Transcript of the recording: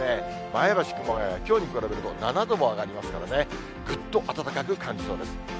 前橋、熊谷は、きょうに比べると、７度も上がりますからね、ぐっと暖かく感じそうです。